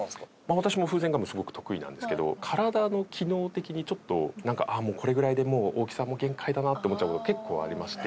私も風船ガムすごく得意なんですけど体の機能的にちょっとなんかああもうこれぐらいで大きさも限界だなって思っちゃう事結構ありまして。